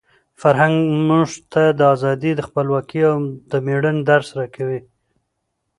فرهنګ موږ ته د ازادۍ، خپلواکۍ او د مېړانې درس راکوي.